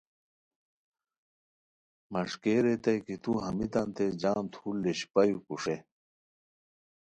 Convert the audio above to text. مݰکئے ریتائے کی توُ ہمیتانتے جم تھول لیشپایو کوُݰے